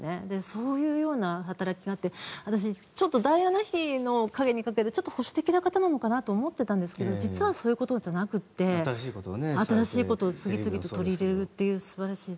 そういうような働きがあって私、ダイアナ妃の陰に隠れて保守的な方なのかなと思っていたんですが実はそういうことじゃなくて新しいことを次々と取り入れるという素晴らしい。